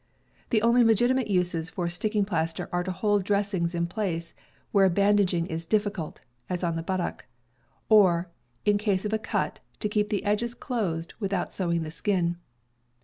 The only legitimate uses for sticking plaster are to hold dressings in place where bandaging is difficult (as on the buttock), or, in case of a cut, to keep the edges closed without sewing the skin.